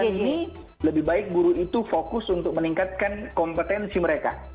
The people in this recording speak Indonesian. hari ini lebih baik guru itu fokus untuk meningkatkan kompetensi mereka